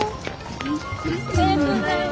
ありがとうございます。